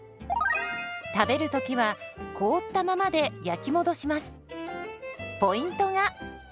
食べる時は凍ったままで焼き戻します。